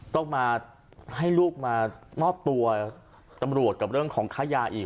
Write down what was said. ต้องมาให้ลูกมามอบตัวตำรวจกับเรื่องของค้ายาอีก